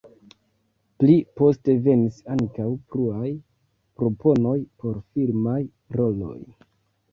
Pli poste venis ankaŭ pluaj proponoj por filmaj roloj.